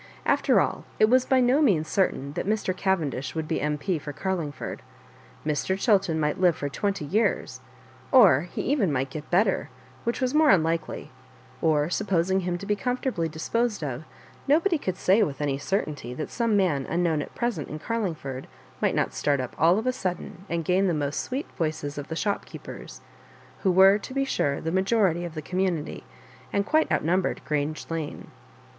After all, it was by no means certain that Mr. Cavendish would be M.P. for Carlingford. Mr. Chiltem might live for twenty years, or he even might get better, which was more unlikely ; or supposing him to be comfort ably disposed of, nobody could say with any cer tainty that some man unknown at present in Carlingford might not start up all of a sudden and gain the most sweet voices of the shopkeepers, who were, to be sure, the majority of the com munity, and quite outnumbered Grange Lane.